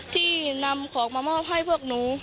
ที่นำของมามอบให้พวกหนู